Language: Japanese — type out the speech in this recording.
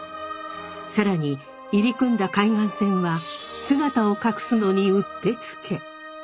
更に入り組んだ海岸線は姿を隠すのにうってつけ。